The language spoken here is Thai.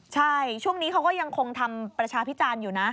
ใช่ช่วงนี้เขาก็ยังคงทำประชาพิจารณ์อยู่นะ